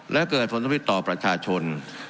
และเกิดผลสพิษต่อประชาชน